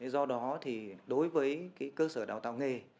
do đó thì đối với cơ sở đào tạo nghề